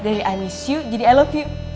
dari i miss you jadi i love you